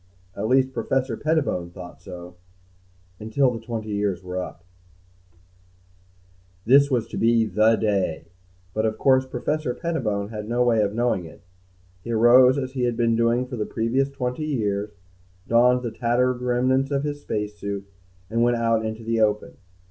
At least, Professor Pettibone thought so until the twenty years were up._ Say "Hello" for Me By FRANK W. COGGINS This was to be the day, but of course Professor Pettibone had no way of knowing it. He arose, as he had been doing for the previous twenty years, donned the tattered remnants of his space suit, and went out into the open.